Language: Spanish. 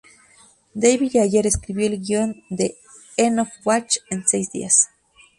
David Ayer escribió el guion de "End of Watch" en seis días.